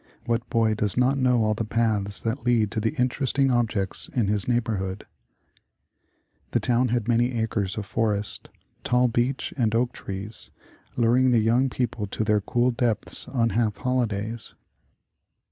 What boy does not know all the paths that lead to the interesting objects in his neighborhood? The town had many acres of forest, tall beech and oak trees, luring the young people to their cool depths on half holidays.